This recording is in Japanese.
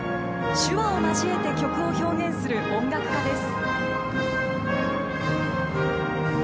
手話を交えて曲を表現する音楽家です。